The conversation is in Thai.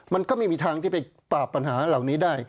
มันก็ไม่มีทางที่ไปปราบปัญหาเหล่านี้ได้